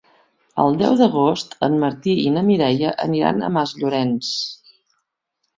El deu d'agost en Martí i na Mireia aniran a Masllorenç.